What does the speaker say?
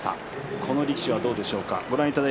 この力士はどうでしょうか。